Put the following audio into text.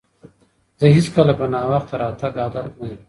زه هیڅکله په ناوخته راتګ عادت نه یم.